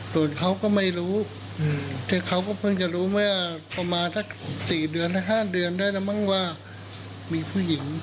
ส่วนเขาก็ไม่รู้คือเขาก็เพิ่งจะรู้เมื่อประมาณสัก๔เดือน๕เดือนได้แล้วมั้งว่ามีผู้หญิง